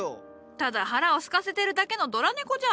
ただ腹をすかせてるだけのドラ猫じゃ。